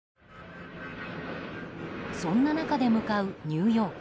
そんな中で向かうニューヨーク。